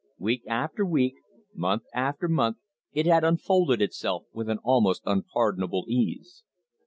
Week after week, month after month it had unfolded itself with an almost unpardonable ease.